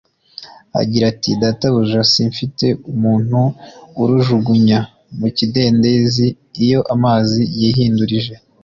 agira ati: " Databuja simfite umuntu urujugunya mu kidendezi iyo amazi yihindurije;